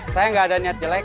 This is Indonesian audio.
saya nggak ada niat jelek